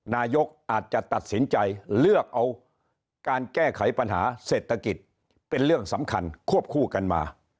นายกอาจจะตัดสินใจเลือกเอาการแก้ไขปัญหาเศรษฐกิจเป็นเรื่องสำคัญควบคู่กันมา